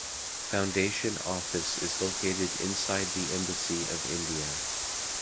Foundation office is located inside the Embassy of India.